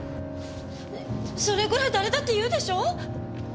それぐらい誰だって言うでしょ？